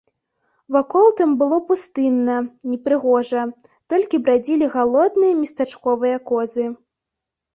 Вакол там было пустынна, непрыгожа, толькі брадзілі галодныя местачковыя козы.